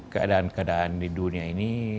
keadaan keadaan di dunia ini